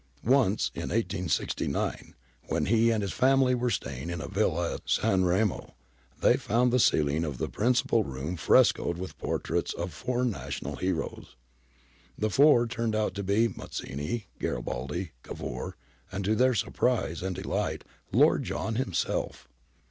Once, in 1869, when he and his family were staying in a villa at San Remo, they found the celling of the principal room frescoed with portraits of four national heroes. The four turned out to be Mazzini, Garibaldi, Cavour, and, to their surprise and delight. Lord John himself!